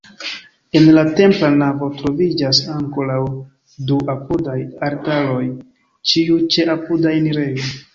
En la templa navo troviĝas ankoraŭ du apudaj altaroj, ĉiu ĉe apuda enirejo.